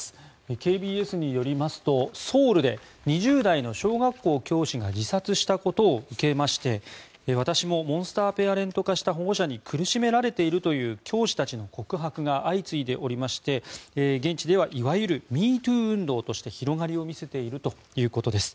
ＫＢＳによりますとソウルで２０代の小学校教師が自殺したことを受けまして私もモンスターペアレント化した保護者に苦しめられているという教師たちの告白が相次いでおりまして現地ではいわゆる「＃ＭｅＴｏｏ」運動として広がりを見せているということです。